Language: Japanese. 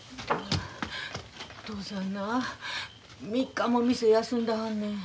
嬢さんな３日も店休んではんねん。